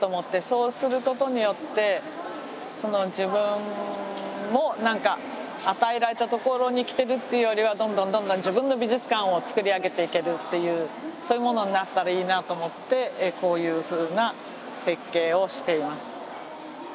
そうすることによって自分も何か与えられたところに来てるっていうよりはどんどんどんどん自分の美術館を作り上げていけるっていうそういうものになったらいいなと思ってこういうふうな設計をしています。